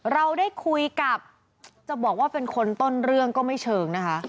เราได้คุยกับจะบอกว่าเป็นคนต้นเรื่องก็ไม่เชิงนะคะ